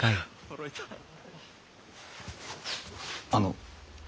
あの。